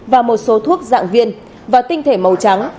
và một số thuốc dạng viên và tinh thể màu trắng